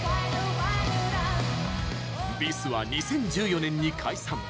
ＢｉＳは２０１４年に解散。